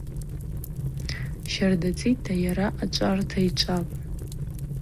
Щарда цӏитӏта йара ачӏварта йчӏвапӏ.